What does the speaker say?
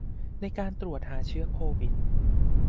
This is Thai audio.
ในการตรวจหาเชื้อโควิด